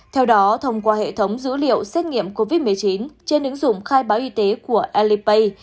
theo đó thông qua hệ thống dữ liệu xét nghiệm covid một mươi chín trên ứng dụng khai báo y tế của alipay